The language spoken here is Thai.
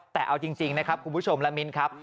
แต่เอาจริงนะครับคุณผู้ชมและมิ้นครับ